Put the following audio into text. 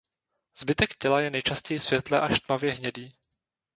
Zbytek těla je nejčastěji světle až tmavě hnědý.